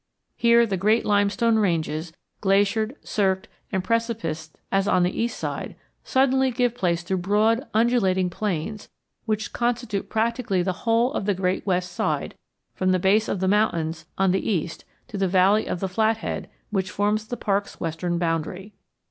Here, the great limestone ranges, glaciered, cirqued, and precipiced as on the east side, suddenly give place to broad, undulating plains which constitute practically the whole of the great west side from the base of the mountains on the east to the valley of the Flathead which forms the park's western boundary.